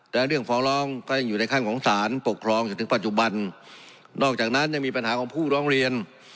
และเรื่องฟ้องร้องก็ยังอยู่ในขั้นของสารปกครองจนถึงปัจจุบันนอกจากนั้นยังมีปัญหาของผู้ร้องเรียน